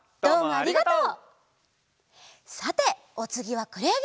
ありがとう。